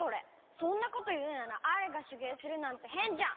そんなこというならアイがしゅげいするなんてへんじゃん！